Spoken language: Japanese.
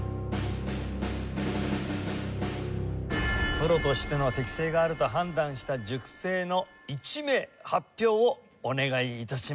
プロとしての適性があると判断した塾生の１名発表をお願い致します。